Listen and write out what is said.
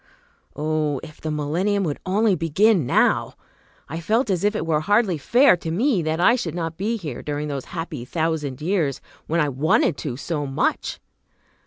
Oh, if the millennium would only begin now! I felt as if it were hardly fair to me that I should not be here during those happy thousand years, when I wanted to so much.